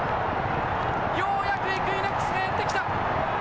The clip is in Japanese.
ようやくイクイノックスがやってきた！